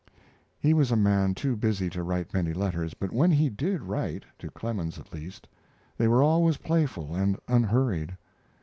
He was a man too busy to write many letters, but when he did write (to Clemens at least) they were always playful and unhurried.